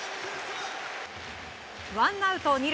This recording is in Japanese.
ワンアウト２塁。